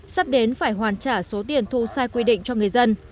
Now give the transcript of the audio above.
sắp đến phải hoàn trả số tiền thu sai quy định cho người dân